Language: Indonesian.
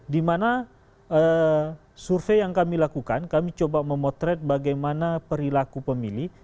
dimana survei yang kami lakukan kami coba memotret bagaimana perilaku pemilih